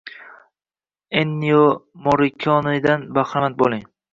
Ennio Morrikonedan bahramand bo‘ling.